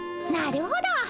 なるほど。